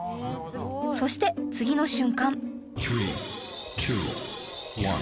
そして次の瞬間